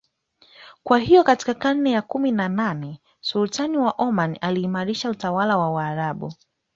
Kwahiyo katika karne ya kumi na nane Sultan wa Oman aliimarisha utawala wa waarabu